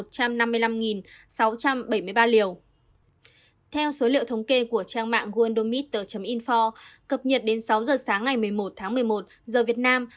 theo số liệu thống kê của trang mạng oldomit info cập nhật đến sáu giờ sáng ngày một mươi một tháng một mươi một giờ việt nam